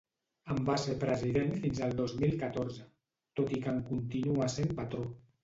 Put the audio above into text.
En va ser president fins el dos mil catorze, tot i que en continua essent patró.